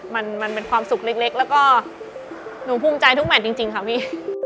มันมันเป็นความสุขเล็กแล้วก็หนูภูมิใจทุกแมทจริงค่ะพี่